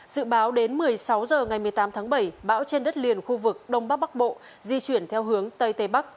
dự báo đến một mươi sáu h ngày một mươi tám tháng bảy bão trên đất liền khu vực đông bắc bắc bộ di chuyển theo hướng tây tây bắc